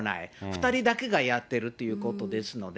２人だけがやるっていうことですので。